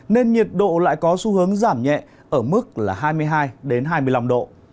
nên nhiệt độ lại có xu hướng giảm nhẹ ở mức là hai mươi hai hai mươi năm độ